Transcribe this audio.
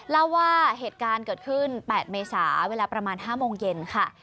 เล่าว่าเหตุการณ์เกิดขึ้น๘เมษาเวลาประมาณ๕โมงเย็นค่ะ